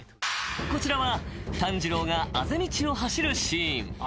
［こちらは炭治郎があぜ道を走るシーン］